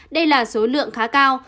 đây là số lượng khá cao